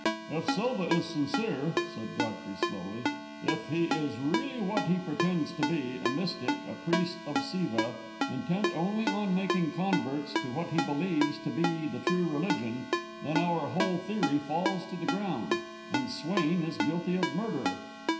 "If Silva is sincere," said Godfrey, slowly; "if he is really what he pretends to be, a mystic, a priest of Siva, intent only on making converts to what he believes to be the true religion, then our whole theory falls to the ground; and Swain is guilty of murder."